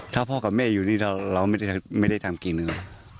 ถ้าพ่อกับแม่อยู่นี่เราไม่ได้ทำกินเลย